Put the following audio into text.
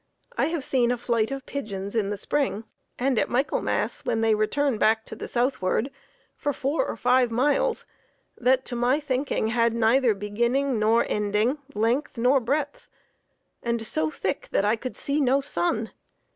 I have seen a flight of Pidgeons in the Spring, and at Michaelmas when they return back to the South ward, for four or five miles, that to my thinking had neither beginning nor ending, length nor breadth, and so thick that I could see no Sun.